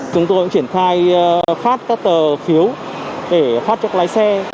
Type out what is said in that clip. chúng tôi cũng triển khai phát các tờ phiếu để phát cho lái xe